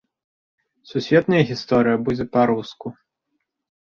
Сусветная гісторыя будзе па-руску.